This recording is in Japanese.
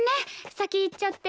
先行っちゃって。